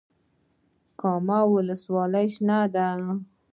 کامې ولسوالۍ شنه ده؟